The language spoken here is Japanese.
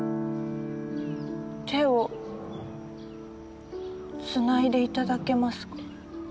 手をつないで頂けますか？